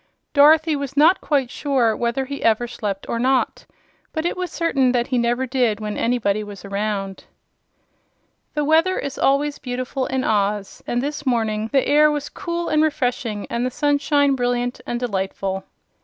Dorothy was not quite sure whether he ever slept or not, but it was certain that he never did when anybody was around. The weather is always beautiful in Oz, and this morning the air was cool and refreshing and the sunshine brilliant and delightful.